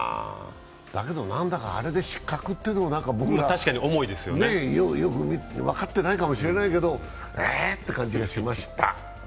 だけど、何だかあれで失格というのは、僕らよく分かってないかもしれないけど「ええ」って感じがしました。